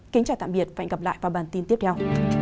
kính chào tạm biệt và hẹn gặp lại vào bản tin tiếp theo